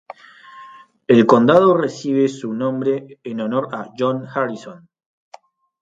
El condado recibe su nombre en honor a John Harrison.